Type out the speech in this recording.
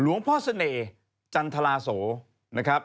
พ่อเสน่ห์จันทราโสนะครับ